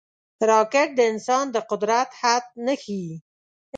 راکټ د انسان د قدرت حد نه ښيي